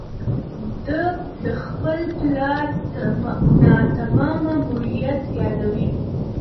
ده د خپل پلار ناتمام ماموریت یادوي.